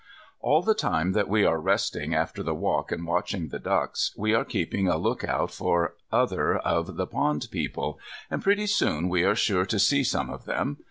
All the time that we are resting after the walk and watching the ducks, we are keeping a look out for other of the Pond People; and pretty soon we are sure to see some of them.